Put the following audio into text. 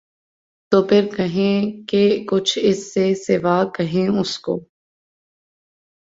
تو پھر کہیں کہ کچھ اِس سے سوا کہیں اُس کو